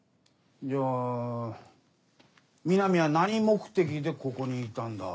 じゃあ南は何目的でここにいたんだ？